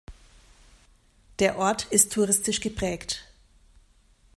Der Ort ist touristisch geprägt.